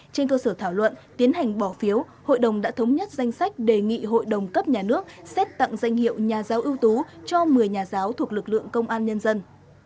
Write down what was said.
trên cơ sở thảo luận tiến hành bỏ phiếu hội đồng đã thống nhất danh sách đề nghị hội đồng cấp nhà nước xét tặng danh hiệu nhà giáo ưu tú cho một mươi nhà giáo thuộc lực lượng công an nhân dân